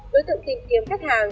đối tượng tìm kiếm khách hàng